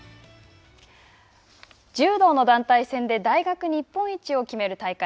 柔道の団体戦で大学日本一を決める大会。